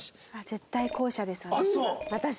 絶対後者です私は。